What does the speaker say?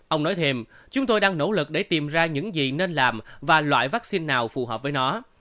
ông nói thêm chúng tôi đang nỗ lực để tìm ra những gì nên làm và loại vaccine nào phù hợp với nó